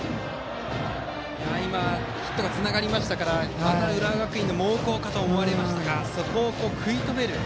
今、ヒットがつながりましたからまた浦和学院の猛攻かと思われましたがそこを食い止める。